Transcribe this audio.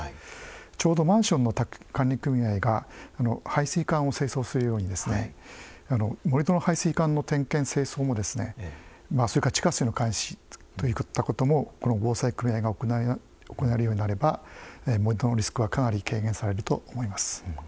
ちょうどマンションの管理組合が排水管を清掃するように盛土の排水管の点検・清掃も地下水の監視といったこともこの防災組合が行えるようになれば盛土のリスクはかなり軽減されると思います。